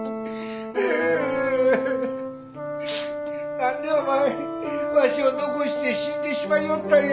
何でお前わしを残して死んでしまいよったんや。